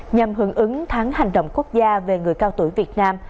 nhằm hưởng ứng tháng hành động quốc gia về người cao tuổi việt nam